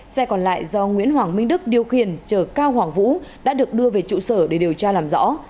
xe còn lại do nguyễn hoàng minh đức điều khiển chở cao hoàng vũ đã được đưa về trụ sở để điều tra làm rõ